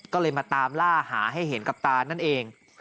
ก็เลยมาตามล่าหาให้เห็นกับตานั่นเอง